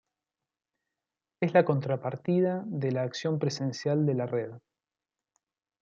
Es la contrapartida de la acción presencial de la Red.